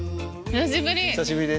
久しぶり！